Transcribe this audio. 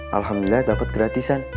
alhamdulillah dapet gratisan